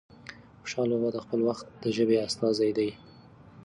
خوشال بابا د خپل وخت د ژبې استازی دی.